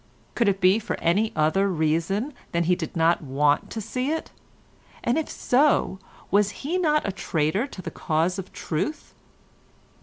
Could it be for any other reason than that he did not want to see it, and if so was he not a traitor to the cause of truth?